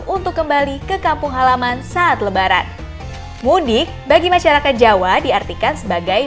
untuk kembali ke kampung halaman saat lebaran mudik bagi masyarakat jawa diartikan sebagai